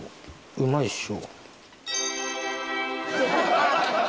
うまいっしょ。